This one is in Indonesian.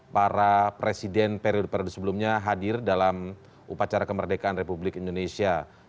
para presiden periode periode sebelumnya hadir dalam upacara kemerdekaan republik indonesia